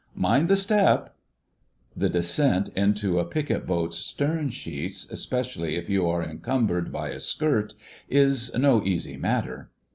... Mind the step!" The descent into a picket boat's stern sheets, especially if you are encumbered by a skirt, is no easy matter.